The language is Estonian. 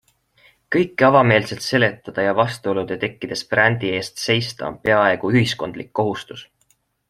Kõike avameelselt seletada ja vastuolude tekkides brändi eest seista on peaaegu ühiskondlik kohustus.